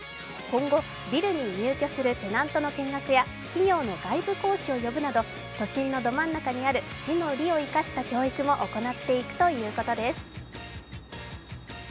今後、ビルに入居するテナントの見学や企業の外部講師を呼ぶなど都心のど真ん中にある地の利を生かした教育も行っていくということです。